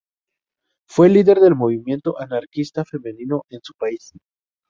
Fue líder del movimiento anarquista femenino en su país.